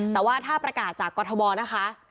แต่ว่าถ้าประกาศจากกรทมนะคะ